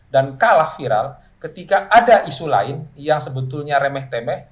dan kalah viral ketika ada isu lain yang sebetulnya remeh temeh